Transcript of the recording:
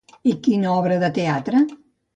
I quina obra de teatre?